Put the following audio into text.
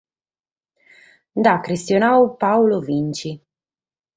Nde at chistionadu Paolo Vinci.